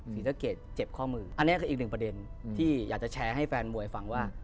ศรีสะเกดเจ็บข้อมืออันนี้คืออีกหนึ่งประเด็นที่อยากจะแชร์ให้แฟนมวยฟังว่า